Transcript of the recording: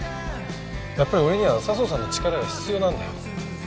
やっぱり俺には佐相さんの力が必要なんだよ。